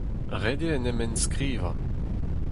Ret eo en em enskrivañ.